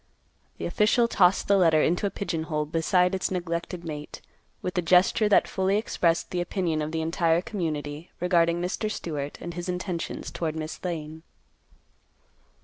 The official tossed the letter into a pigeon hole beside its neglected mate, with a gesture that fully expressed the opinion of the entire community, regarding Mr. Stewart and his intentions toward Miss Lane.